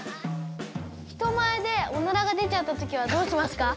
人前でオナラが出ちゃった時はどうしますか？